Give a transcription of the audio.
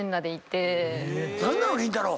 何なの⁉りんたろー。